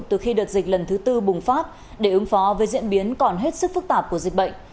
từ khi đợt dịch lần thứ tư bùng phát để ứng phó với diễn biến còn hết sức phức tạp của dịch bệnh